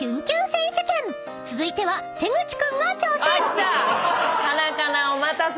［続いては瀬口君が挑戦］